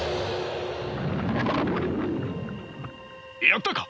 やったか？